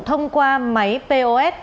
thông qua máy pos